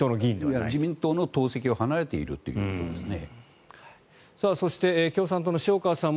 自民党の党籍を離れているということですね。